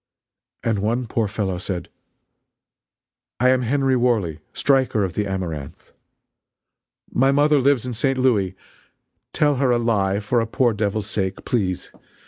And one poor fellow said: "I am Henry Worley, striker of the Amaranth! My mother lives in St. Louis. Tell her a lie for a poor devil's sake, please.